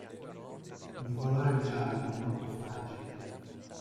Di colore giallo, molto fragile.